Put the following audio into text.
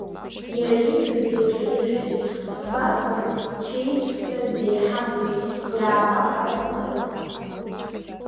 Иара ииҳәаз иаҿаиршәит, хәба-фба чеицәца дреиҳамхеит, иаабап ара иҟаиҵо.